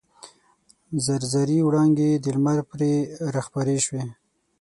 زر زري وړانګې د لمر پرې راخپرې شوې.